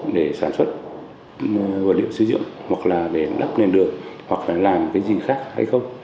để sản xuất vật liệu sử dụng hoặc là để đắp lên đường hoặc là làm cái gì khác hay không